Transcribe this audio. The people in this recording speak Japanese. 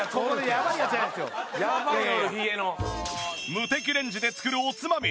ムテキレンジで作るおつまみ